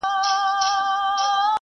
تور مولوي به په شیطانه ژبه `